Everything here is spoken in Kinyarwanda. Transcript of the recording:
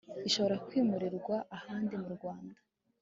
ishobora kwimurirwa ahandi mu rwanda